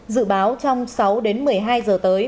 dự báo trong sáu đến một mươi hai giờ tới